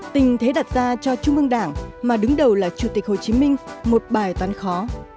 tình thế đặt ra cho trung ương đảng mà đứng đầu là chủ tịch hồ chí minh một bài toán khó